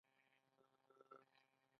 دا یو عادلانه کار دی خو مرګ ځورونکی هم دی